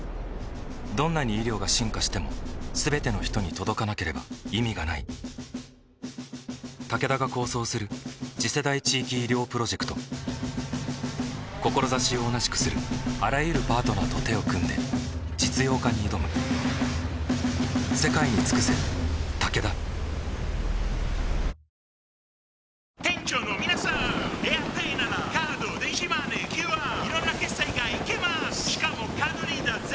どんなに医療が進化しても全ての人に届かなければ意味がないタケダが構想する次世代地域医療プロジェクト志を同じくするあらゆるパートナーと手を組んで実用化に挑むやさしいマーン！！